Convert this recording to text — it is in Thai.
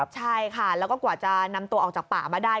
ใช่ค่ะแล้วก็กว่าจะนำตัวออกจากป่ามาได้